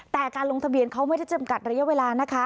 แต่การลงทะเบียนเขาไม่ได้จำกัดระยะเวลานะคะ